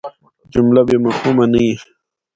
جمله بېمفهومه نه يي.